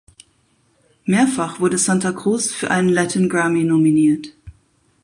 Mehrfach wurde Santacruz für einen Latin Grammy nominiert.